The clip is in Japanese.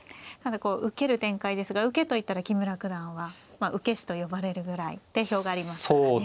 ただ受ける展開ですが受けといったら木村九段は受け師と呼ばれるぐらい定評がありますからね。